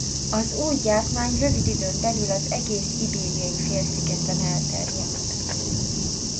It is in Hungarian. Az új gyártmány rövid időn belül az egész Ibériai-félszigeten elterjedt.